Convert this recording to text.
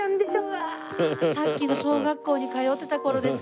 うわさっきの小学校に通ってた頃ですね。